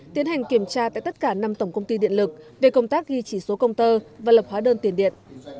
tiến hành kiểm tra tại tất cả năm tổng công ty điện lực về công tác ghi chỉ số công tơ và lập hóa đơn tiền điện